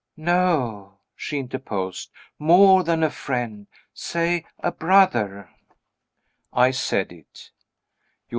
"No," she interposed; "more than a friend; say a brother." I said it.